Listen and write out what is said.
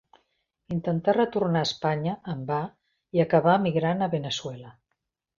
Intentà retornar a Espanya, en va, i acabà emigrant a Veneçuela.